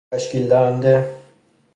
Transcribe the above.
تشکیل دهنده